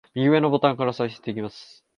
右上のボタンから再生できます